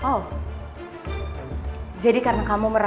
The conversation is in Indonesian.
kalau selama hari sudah dijumpain sama kamu sendiri